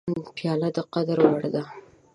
پیاله د قدر وړ ده.